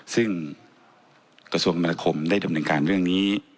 ซึ่งประสุนบรรณคมได้ดำนึงการเรื่องนี้